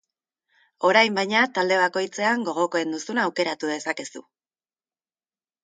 Orain, baina, talde bakoitzean gogokoen duzuna aukeratu dezakezu.